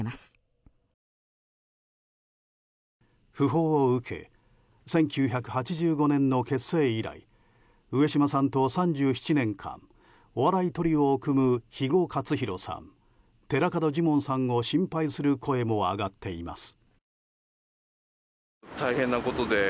訃報を受け１９８５年の結成以来上島さんと３７年間お笑いトリオを組む肥後克広さん、寺門ジモンさんを心配する声も上がっています。